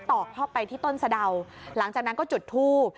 ตอกเข้าไปที่ต้นสะเดาหลังจากนั้นก็จุดทูบ